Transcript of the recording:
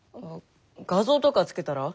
画像とか付けたら？